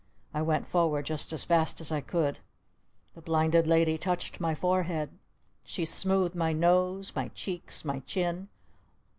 I went forward just as fast as I could. The Blinded Lady touched my forehead. She smoothed my nose, my cheeks, my chin.